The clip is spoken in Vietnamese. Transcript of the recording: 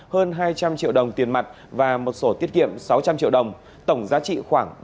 hơn hai trăm linh triệu đồng tiền mặt và một sổ tiết kiệm sáu trăm linh triệu đồng tổng giá trị khoảng ba tỷ đồng